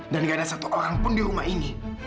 gak ada satu orang pun di rumah ini